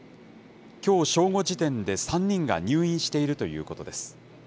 きょう正午時点で３人が入院しているということです。